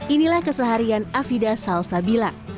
inilah keseharian afida salsa bilang